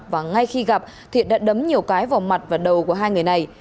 và ngay khi gặp thiện đã đấm nhiều cái vào mặt và đầu của hai người này